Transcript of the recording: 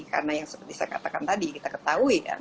karena yang seperti saya katakan tadi kita ketahuinya